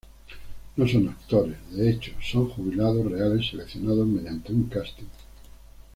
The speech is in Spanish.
No son actores, de hecho, son jubilados reales seleccionados mediante un casting.